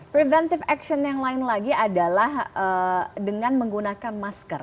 preventive action yang lain lagi adalah dengan menggunakan masker